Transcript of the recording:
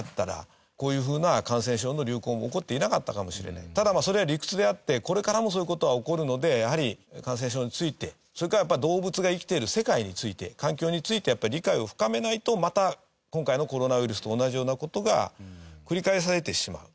あるいはただそれは理屈であってこれからもそういう事は起こるのでやはり感染症についてそれからやっぱり動物が生きてる世界について環境について理解を深めないとまた今回のコロナウイルスと同じような事が繰り返されてしまう。